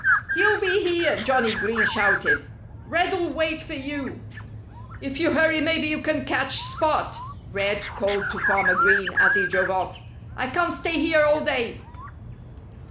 "He'll be here!" Johnnie Green shouted. "Red'll wait for you." "If you hurry, maybe you can catch Spot," Red called to Farmer Green as he drove off. "I can't stay here all day."